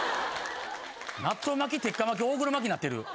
納豆巻鉄火巻大黒摩季なってる。